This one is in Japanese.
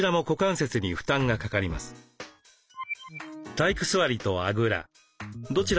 体育座りとあぐら。